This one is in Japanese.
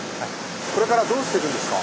これからどうしていくんですか？